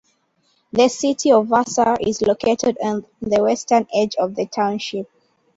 The city of Vassar is located on the western edge of the township.